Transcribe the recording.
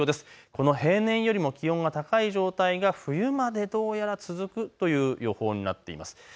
この平年よりも気温が高い状態が冬までどうやら続くという予報になっています。